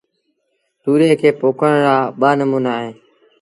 تُوريئي کي پوکڻ رآ ٻآݩموݩآ اهيݩ